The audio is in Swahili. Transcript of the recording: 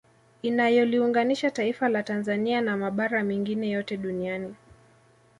Inayoliunganisha taifa la Tanzania na mabara mengine yote duniani